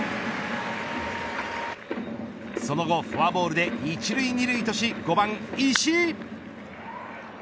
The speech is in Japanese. その後、フォアボールで１塁２塁とし５番、石井。